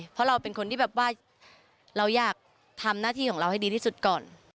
เพราะเราเป็นคนที่แบบว่าเราอยากทำหน้าที่ของเราให้ดีที่สุดก่อน